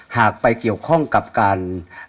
หากไปเกี่ยวข้องกับการ